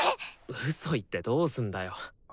ウソ言ってどうすんだよ。